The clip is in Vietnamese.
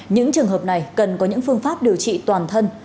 những trường hợp này cần có những phương pháp điều trị toàn thân